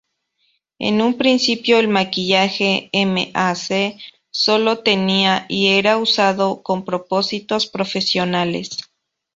En un principio el maquillaje M·A·C solo tenía y era usado con propósitos profesionales.